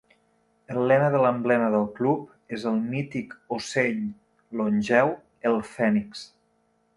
El lema de l'emblema del club és el mític ocell longeu, el Fènix.